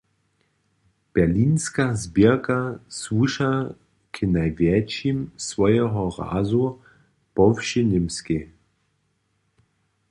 Berlinska zběrka słuša k najwjetšim swojeho razu po wšej Němskej.